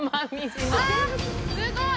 あ、すごい。